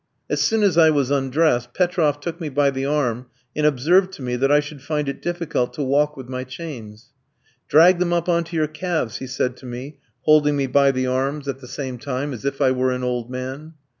As soon as I was undressed, Petroff took me by the arm and observed to me that I should find it difficult to walk with my chains. "Drag them up on to your calves," he said to me, holding me by the arms at the same time, as if I were an old man.